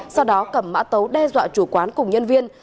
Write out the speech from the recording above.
sau đó cầm mã tấu đe dọa chủ quán cùng nhân viên